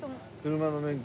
車の免許。